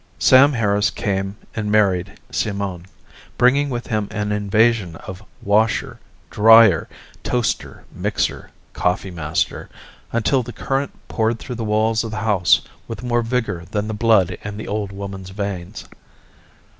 Sam Harris came and married Simone, bringing with him an invasion of washer, dryer, toaster, mixer, coffeemaster, until the current poured through the walls of the house with more vigor than the blood in the old woman's veins.